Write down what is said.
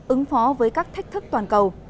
ứng phó với các thách thức toàn cầu